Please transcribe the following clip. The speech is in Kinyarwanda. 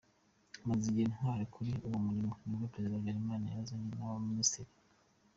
Maze igihe twali kuli uwo murimo nibwo Prezida Habyarimana yazanye n’aba ministre”.